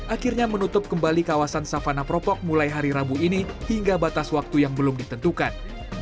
akhirnya menutup kembali kawasan savana propok mulai hari rabu ini hingga batas waktu yang belum ditentukan